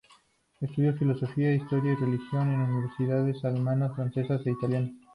Estudió filosofía, historia y religión en universidades alemanas, francesas e italianas.